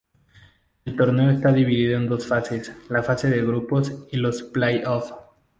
El torneo está dividido en dos fases, la fase de grupos y los play-offs.